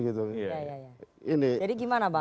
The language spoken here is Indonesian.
jadi gimana bang